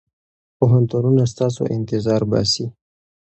پوهنتونونه ستاسو انتظار باسي.